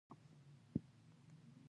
اصلاحات ولې وخت نیسي؟